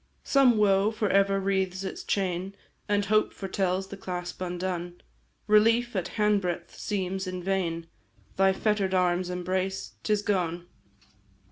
"Some woe for ever wreathes its chain, And hope foretells the clasp undone; Relief at handbreadth seems, in vain Thy fetter'd arms embrace 'tis gone!